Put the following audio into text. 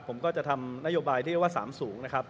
ผมก็จะทำนโยบายที่เรียกว่า๓สูงนะครับ